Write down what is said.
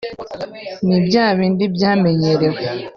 ni bya bindi byamenyerewe